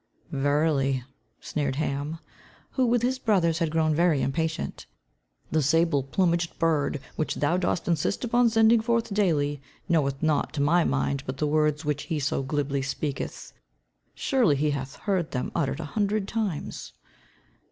"Verily," sneered Ham, who with his brothers had grown very impatient, "the sable plumaged bird which thou dost insist upon sending forth daily, knoweth naught, to my mind, but the words which he so glibly speaketh. Surely he hath heard them uttered an hundred times."